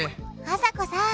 あさこさん！